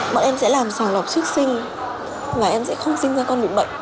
bọn em sẽ làm sàng lọc trước sinh và em sẽ không sinh ra con bị bệnh